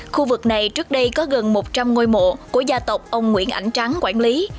khu vực này trước đây có gần một trăm linh ngôi mộ của gia tộc ông nguyễn ảnh trắng quản lý